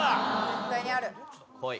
絶対にある。